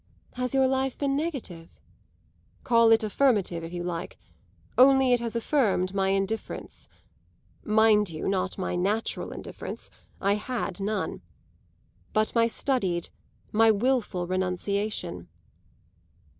"Has your life been negative?" "Call it affirmative if you like. Only it has affirmed my indifference. Mind you, not my natural indifference I had none. But my studied, my wilful renunciation."